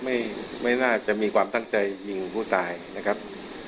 ไม่ไม่น่าจะมีความตั้งใจยิงผู้ตายนะครับ